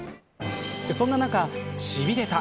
そんな中しびれた。